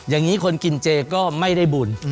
อย่างนี้คนกินเจก็ไม่ได้บุญ